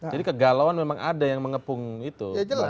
jadi kegalauan memang ada yang mengepung itu